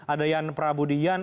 adanya prabu dian